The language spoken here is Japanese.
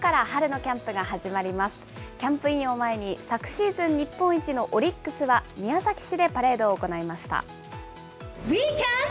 キャンプインを前に、昨シーズン日本一のオリックスは、宮崎市でパレードを行いました。